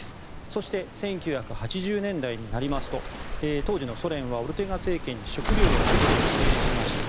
そして１９８０年代になりますと当時のソ連はオルテガ政権に食料や武器を支援しました。